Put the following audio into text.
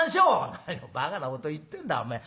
「何をばかなこと言ってんだお前。